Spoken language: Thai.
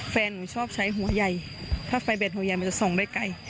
แฟนหนูชอบใช้หัวใหญ่ถ้าไฟเด็ดหัวใหญ่มันจะส่องได้ไกล